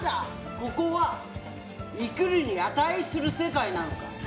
ここは生きるのに値する世界なのか？